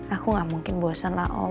aku gak mungkin bosen lah om